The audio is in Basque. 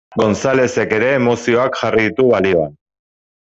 Gonzalezek ere emozioak jarri ditu balioan.